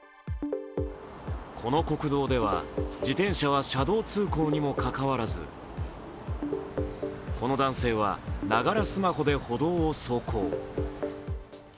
この国道では、自転車は車道通行にもかかわらずこの男性はながらスマホで歩道を走行。